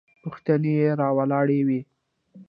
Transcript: پوښتنې راولاړوي.